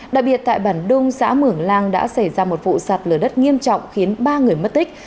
đặc biệt tại bản đông xã mường lang đã xảy ra một vụ sạt lở đất nghiêm trọng khiến ba người mất tích